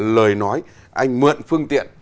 lời nói anh mượn phương tiện